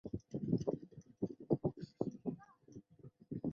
硝酸酯也是一类药物。